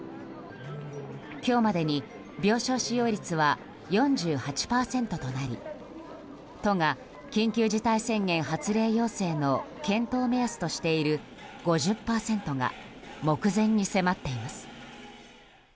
今日までに病床使用率は４８％となり都が緊急事態宣言発令要請の検討目安としている５０％が目前に迫っています。